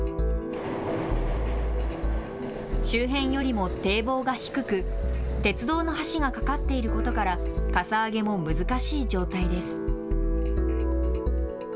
周辺よりも堤防が低く鉄道の橋が架かっていることからかさ上げも難しい状態です。